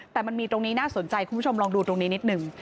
แต่มันมีตรงนี้น่าสนใจคุณผู้ชมลองดูตรงนี้นิดนึง